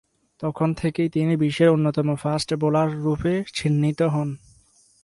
তখন থেকেই তিনি বিশ্বের অন্যতম ফাস্ট-বোলাররূপে চিহ্নিত হন।